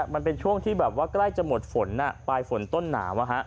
มันเป็นช่วงที่แบบว่าใกล้จะหมดฝนปลายฝนต้นหนาว